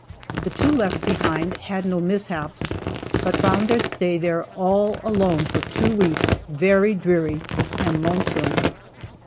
The two left behind had no mishaps, but found their stay there all alone for two weeks very dreary and lonesome.